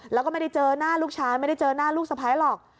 แล้วก็ไม่ได้เจอหน้าลูกชายไม่ได้เจอหน้าลูกสะพ้ายหรอก